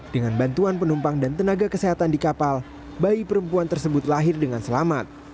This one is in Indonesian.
dengan bantuan penumpang dan tenaga kesehatan di kapal bayi perempuan tersebut lahir dengan selamat